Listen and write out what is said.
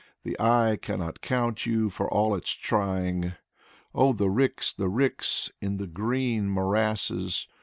The eye cannot count You, for all its trying. Oh, the ricks, the ricks, In the green morasses.